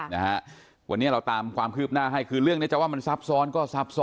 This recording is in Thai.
นะฮะวันนี้เราตามความคืบหน้าให้คือเรื่องนี้จะว่ามันซับซ้อนก็ซับซ้อน